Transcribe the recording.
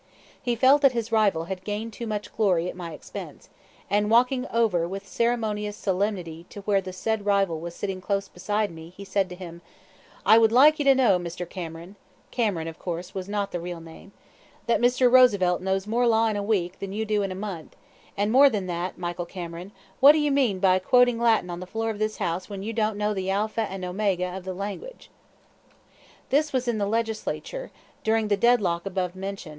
He felt that his rival had gained too much glory at my expense, and, walking over with ceremonious solemnity to where the said rival was sitting close beside me, he said to him: "I would like you to know, Mr. Cameron [Cameron, of course, was not the real name], that Mr. Roosevelt knows more law in a wake than you do in a month; and, more than that, Michael Cameron, what do you mane by quoting Latin on the floor of this House when you don't know the alpha and omayga of the language?"